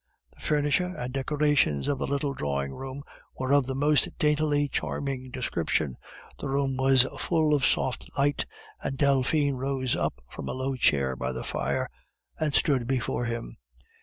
The furniture and the decorations of the little drawing room were of the most daintily charming description, the room was full of soft light, and Delphine rose up from a low chair by the fire and stood before him.